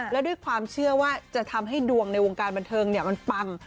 แล้วด้วยความเชื่อว่าจะทำให้ดวงในวงการบันเทิงมันปัง